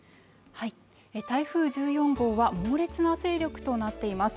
台風１４号は猛烈な勢力となっています。